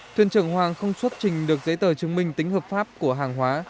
thuyền trưởng hoàng không xuất trình được giấy tờ chứng minh tính hợp pháp của hàng hóa